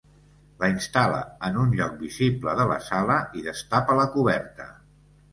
La instal·la en un lloc visible de la sala i destapa la coberta.